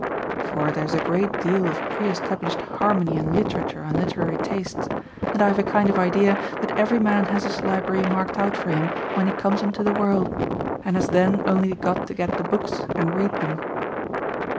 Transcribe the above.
For there is a great deal of pre established harmony in literature and literary tastes; and I have a kind of idea that every man has his library marked out for him when he comes into the world, and has then only got to get the books and read them.